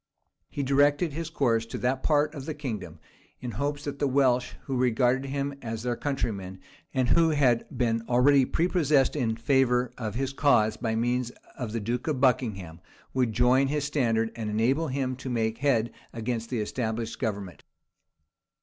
He directed his course to that part of the kingdom, in hopes that the Welsh, who regarded him as their countryman, and who had been already prepossessed in favor of his cause by means of the duke of Buckingham, would join his standard, and enable him to make head against the established government.